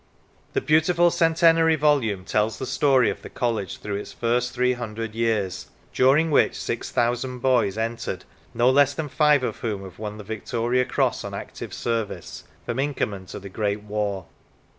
The beautiful centenary volume tells the story of the college through its first three hundred years, during which six thousand boys entered, no less than five of whom have won the Victoria Cross on active service, from Inkerman to the Great War.